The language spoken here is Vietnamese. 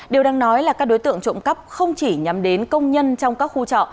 điều đang nói là các đối tượng trộm cắp không chỉ nhắm đến công nhân trong các khu trọ